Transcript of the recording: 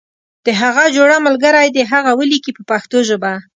د هغه جوړه ملګری دې هغه ولیکي په پښتو ژبه.